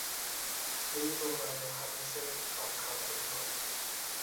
এই প্রকারের হাদীসের সংখ্যা খুবই কম।